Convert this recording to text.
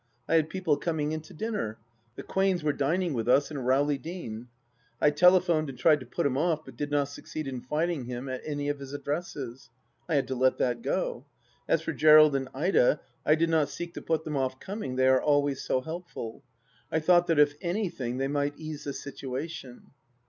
I had people coming to dinner. The Quains were dining with us and Rowley Deane. I telephoned and tried to put him off, but did not succeed in finding him at any of his addresses. I had to let that go. As for (Jerald and Ida, I did not seek to put them oft coming, they are always so helpful. I thought that if anything they might ease the situation.